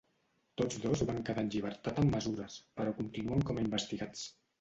Tots dos van quedar en llibertat amb mesures, però continuen com a investigats.